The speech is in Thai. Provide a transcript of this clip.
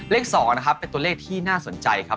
เลข๒นะครับเป็นตัวเลขที่น่าสนใจครับ